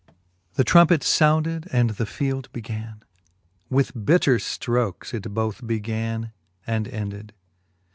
The trumpets founded, and the field began ; With bitter ftrokes it both began and ended.